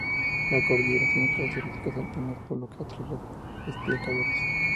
La cordillera tiene características alpinas, por lo que atrae a los esquiadores.